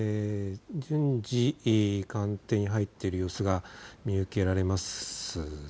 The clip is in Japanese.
随時、官邸に入っている様子が見受けられます。